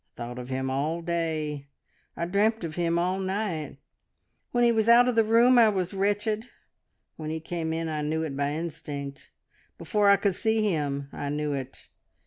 I thought of him all day; I dreamt of him all night ... when he was out of the room I was wretched; when he came in I knew it by instinct; before I could see him I knew it!